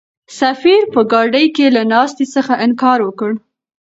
سفیر په ګاډۍ کې له ناستې څخه انکار وکړ.